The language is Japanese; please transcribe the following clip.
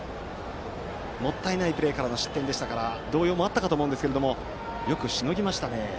もったいないプレーからの失点でしたから動揺もあったかと思いますがよくしのぎましたね。